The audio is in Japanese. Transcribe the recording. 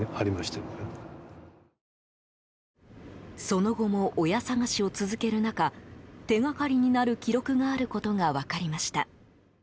その後も親捜しを続ける中手掛かりになる記録があることが分かりました。